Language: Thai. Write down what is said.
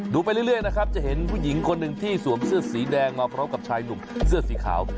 ไปเรื่อยนะครับจะเห็นผู้หญิงคนหนึ่งที่สวมเสื้อสีแดงมาพร้อมกับชายหนุ่มเสื้อสีขาว